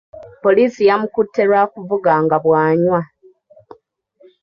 Poliisi yamukutte lwa kuvuga nga bw’anywa.